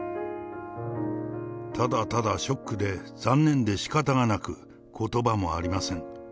ただただショックで残念でしかたがなく、ことばもありません。